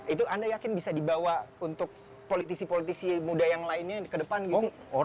itu anda yakin bisa dibawa untuk politisi politisi muda yang lainnya ke depan gitu